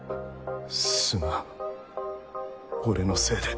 すまん俺のせいで。